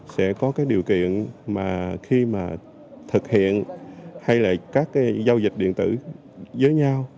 sẽ có điều kiện khi thực hiện hay các giao dịch điện tử với nhau